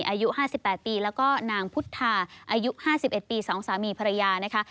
อายุ๕๘ปีแล้วก็นางพุทธาอายุ๕๑ปี๒สามีภรรยานะคะ